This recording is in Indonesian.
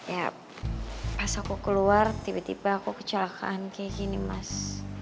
ya pas aku keluar tiba tiba aku kecelakaan kayak gini mas